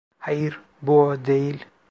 Hayır, bu o değil.